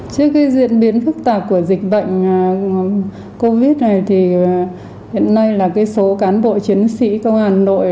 trước cái diễn biến phức tạp của dịch bệnh covid này thì hiện nay là cái số cán bộ chiến sĩ công an hà nội